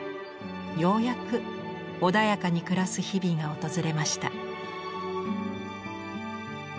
ようやく穏やかに暮らす日々が訪れました。